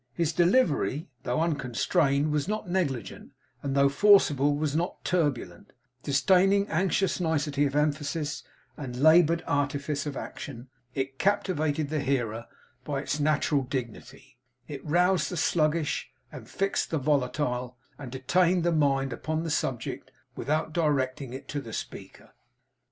His delivery, though unconstrained was not negligent, and though forcible was not turbulent; disdaining anxious nicety of emphasis, and laboured artifice of action, it captivated the hearer by its natural dignity, it roused the sluggish, and fixed the volatile, and detained the mind upon the subject, without directing it to the speaker.